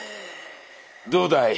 どうだい？